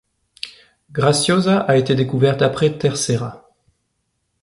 Graciosa a été découverte après Terceira.